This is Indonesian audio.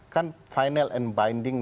kan final and binding